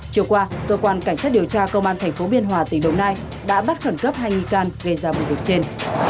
chiều qua cơ quan cảnh sát điều tra công an thành phố biên hòa tỉnh đồng nai đã bắt khẩn cấp hai nghi can gây ra vụ vụ trên